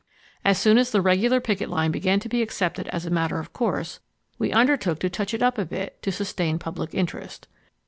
As soon as the regular picket line began to be accepted as a matter of course, we undertook to touch it up a bit to sustain public interest.